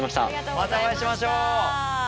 またお会いしましょう！